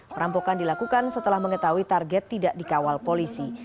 perampokan dilakukan setelah mengetahui target tidak dikawal polisi